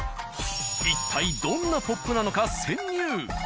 一体どんなＰＯＰなのか潜入。